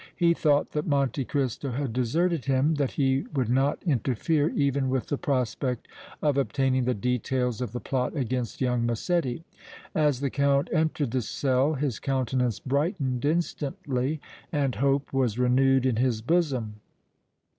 He thought that Monte Cristo had deserted him, that he would not interfere even with the prospect of obtaining the details of the plot against young Massetti. As the Count entered the cell his countenance brightened instantly and hope was renewed in his bosom.